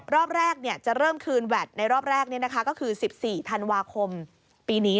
รอบแรกจะเริ่มคืนแวดในรอบแรกก็คือ๑๔ธันวาคมปีนี้